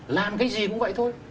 làm cái gì cũng vậy thôi